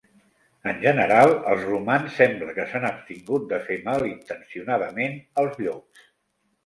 En general, els romans sembla que s'han abstingut de fer mal intencionadament als llops.